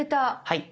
はい。